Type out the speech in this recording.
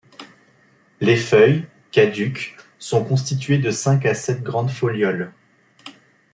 Les feuilles, caduques, sont constituées de cinq à sept grands folioles.